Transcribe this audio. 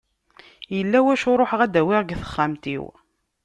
Yella wacu ruḥeɣ ad d-awiɣ seg texxamt-iw.